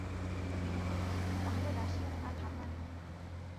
বিনয় কহিল, তা হলে রাশিয়ানের আর ভাবনা নেই।